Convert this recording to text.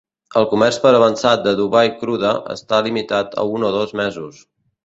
El comerç per avançat de Dubai Crude està limitat a un o dos mesos.